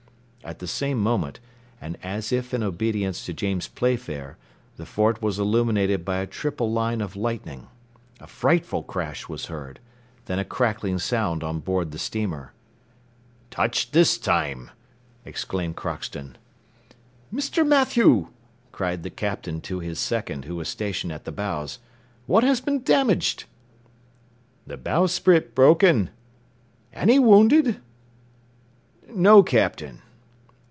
At the same moment, and as if in obedience to James Playfair, the fort was illuminated by a triple line of lightning. A frightful crash was heard; then a crackling sound on board the steamer. "Touched this time!" exclaimed Crockston. "Mr. Mathew!" cried the Captain to his second, who was stationed at the bows, "what has been damaged?" "The bowsprit broken." "Any wounded?" "No, Captain."